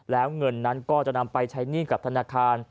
แล้วเงินนั้นก็จะนำไปใช้หนี้กับธนาคาร